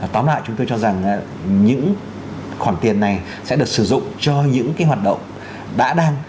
tóm lại chúng tôi cho rằng những khoản tiền này sẽ được sử dụng cho những hoạt động đã đang